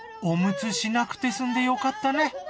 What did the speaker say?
おむつしなくて済んでよかったね